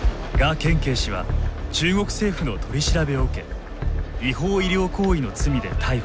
建奎氏は中国政府の取り調べを受け違法医療行為の罪で逮捕。